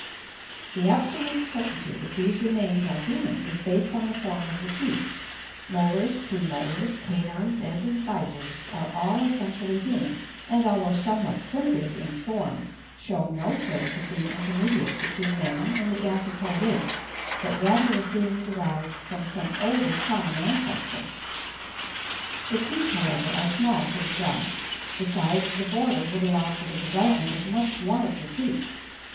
The absolute cer tainty that these remains are human is based on the form of the teeth — molars, premolars, ca nines, and incisors are all essentially human and al though somewhat primi tive in form, show no trace of being intermedi ate between man and the anthropoid apes but rather of being derived from some older common ancestor. The teeth, how ever, are small for the jaw; the size of the border would allow for the devel opment of much larger teeth.